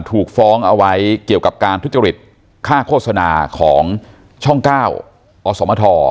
ถูกฟ้องเอาไว้เกี่ยวกับการทุจริตค่าโฆษณาของช่อง๙อสมท